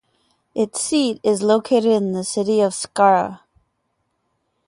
Its seat is located in the city of Skara.